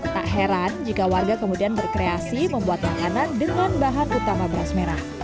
tak heran jika warga kemudian berkreasi membuat makanan dengan bahan utama beras merah